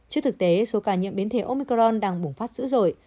trước thực tế số ca nhiễm biến thể omicron đang bùng phát dữ dội